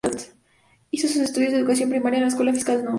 Hizo sus estudios de educación primaria en la escuela fiscal No.